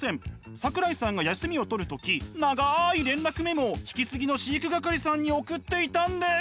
桜井さんが休みを取る時長い連絡メモを引き継ぎの飼育係さんに送っていたんです！